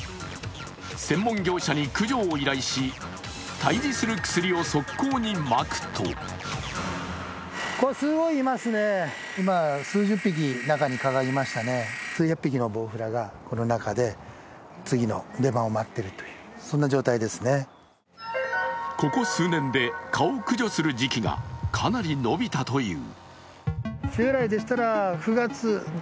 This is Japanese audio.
専門業者に駆除を依頼し、退治する薬を側溝にまくとここ数年で蚊を駆除する時期がかなり延びたという。